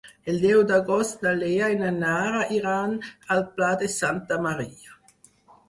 El deu d'agost na Lea i na Nara iran al Pla de Santa Maria.